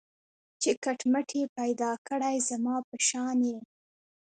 چي کټ مټ یې پیدا کړی زما په شان یې